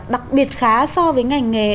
đặc biệt khá so với